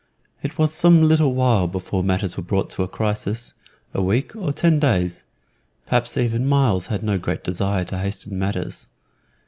It was some little while before matters were brought to a crisis a week or ten days. Perhaps even Myles had no great desire to hasten matters.